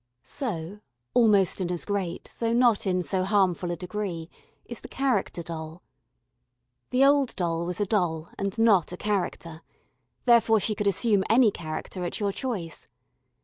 So, almost in as great, though not in so harmful a degree, is the "character doll." The old doll was a doll, and not a character. Therefore she could assume any character at your choice.